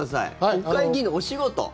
国会議員のお仕事。